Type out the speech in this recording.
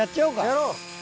やろう。